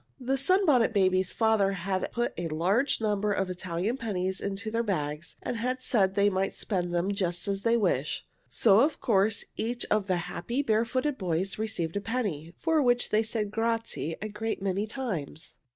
The Sunbonnet Babies' father had put a number of big Italian pennies into their bags, and had said they might spend them just as they wished, so of course each of the happy, barefooted boys received a penny, for which they said grazie a great many times.